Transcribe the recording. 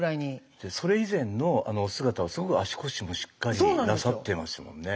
それ以前のお姿はすごく足腰もしっかりなさってますもんね。